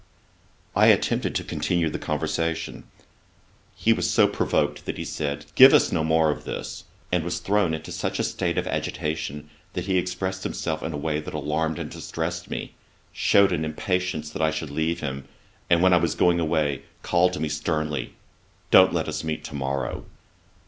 I attempted to continue the conversation. He was so provoked, that he said, 'Give us no more of this;' and was thrown into such a state of agitation, that he expressed himself in a way that alarmed and distressed me; shewed an impatience that I should leave him, and when I was going away, called to me sternly, 'Don't let us meet to morrow.'